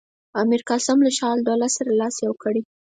میرقاسم له شجاع الدوله سره لاس یو کړی.